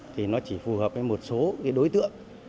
thì nó chỉ phù hợp với một số đối tượng